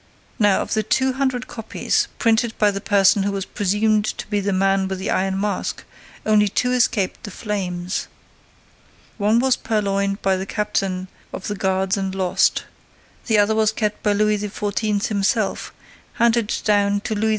Now of those hundred copies printed by the person who was presumed to be the Man with the Iron Mask only two escaped the flames. One was purloined by the captain of the guards and lost. The other was kept by Louis XIV., handed down to Louis XV.